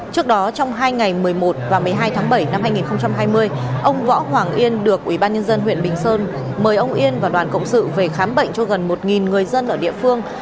trước đó trong hai ngày một mươi một và một mươi hai tháng bảy năm hai nghìn hai mươi ông võ hoàng yên được ubnd huyện bình sơn mời ông yên và đoàn cộng sự về khám bệnh cho gần một người dân ở địa phương